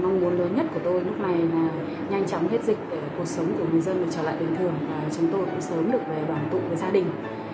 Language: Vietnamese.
mong muốn lớn nhất của tôi lúc này là nhanh chóng hết dịch để cuộc sống của người dân được trở lại bình thường chúng tôi cũng sớm được về đoàn tụ với gia đình